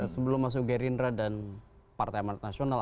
sebelum masuk gerindra dan partai amanat nasional